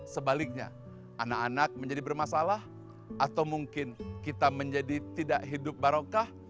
sebaliknya anak anak menjadi bermasalah atau mungkin kita menjadi tidak hidup barokah